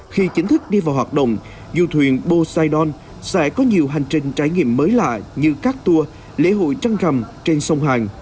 khi chính thức đi vào hoạt động du thuyền poseidon sẽ có nhiều hành trình trải nghiệm mới lạ như các tour lễ hội trăng gầm trên sông hàng